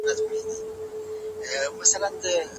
نورې څېړنې روانې دي.